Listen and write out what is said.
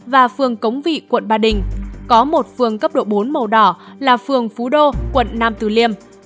và phường cống vị quận ba đình có một phường cấp độ bốn màu đỏ là phường phú đô quận nam từ liêm